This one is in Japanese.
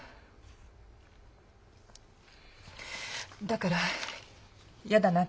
だから嫌だな。